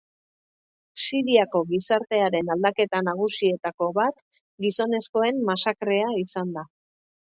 Siriako gizartearen aldaketa nagusietako bat gizonezkoen masakrea izan da.